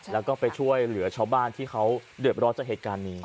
แล้วก็ไปช่วยเหลือชาวบ้านที่เขาเดือดร้อนจากเหตุการณ์นี้